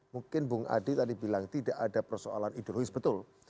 mungkin bung adi tadi bilang tidak ada persoalan ideologis betul